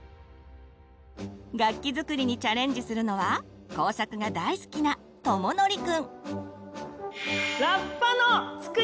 楽器作りにチャレンジするのは工作が大好きなとものりくん。